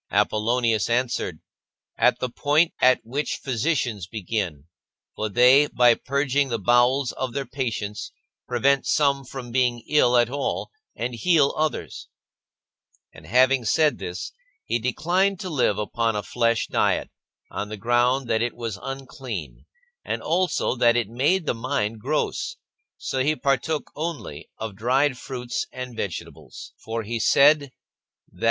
Apollonius answered: " At the point at which physicians begin, for they, by purging the bowels of their patients prevent some from being ill at all, and heal others." And having said this he Apollonius declined to live upon a flesh diet, on the ground that (een dies δ, it was unclean, and also that it made the mind gross ; and wine so he partook only of dried fruits and vegetables, 19 c 2 et Vil CAP.